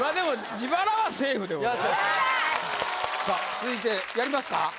さあ続いてやりますか？